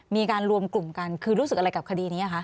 มีการรวมกลุ่มกันคือรู้สึกอะไรกับคดีนี้คะ